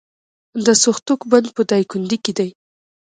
د سوختوک بند په دایکنډي کې دی